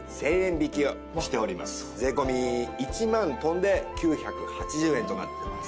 税込１万飛んで９８０円となってます。